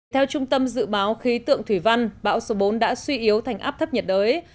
theo trung tâm dự báo khí tượng thủy văn bão số bốn đã suy yếu thành áp thấp nhiệt đới